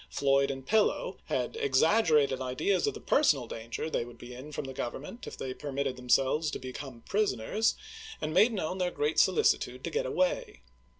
Floyd and Pillow had exaggerated ideas of the personal danger they would be in from the Government if they permitted themselves to be come prisoners, and made known their great so licitude to get away.